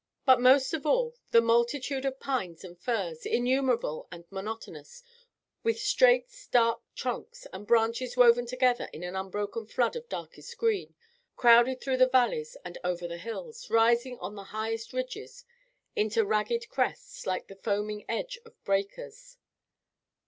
But most of all, the multitude of pines and firs, innumerable and monotonous, with straight, stark trunks, and branches woven together in an unbroken flood of darkest green, crowded through the valleys and over the hills, rising on the highest ridges into ragged crests, like the foaming edge of breakers.